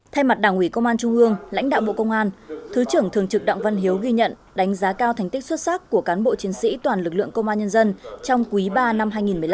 thay mặt đảng ủy công an trung ương lãnh đạo bộ công an thứ trưởng thường trực đặng văn hiếu ghi nhận đánh giá cao thành tích xuất sắc của cán bộ chiến sĩ toàn lực lượng công an nhân dân trong quý ba năm hai nghìn một mươi năm